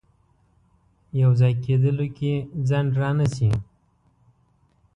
یو ځای کېدلو کې ځنډ رانه شي.